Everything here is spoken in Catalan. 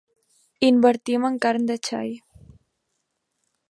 Invertim en carn de xai.